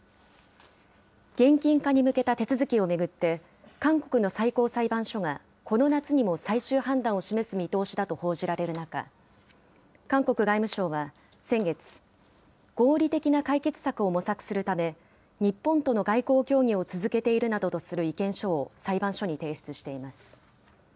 現金化に向けた手続きを巡って、韓国の最高裁判所が、この夏にも最終判断を示す見通しだと報じられる中、韓国外務省は先月、合理的な解決策を模索するため、日本との外交協議を続けているなどとする意見書を裁判所に提出しています。